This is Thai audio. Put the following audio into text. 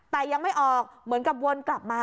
แต่ยังไม่ออกเหมือนกับวนกลับมา